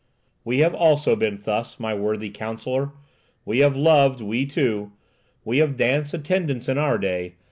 "We have also been thus, my worthy counsellor! We have loved—we too! We have danced attendance in our day!